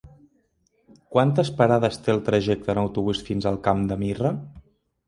Quantes parades té el trajecte en autobús fins al Camp de Mirra?